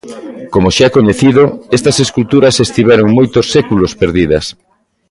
Como xa é coñecido, estas esculturas estiveron moitos séculos perdidas.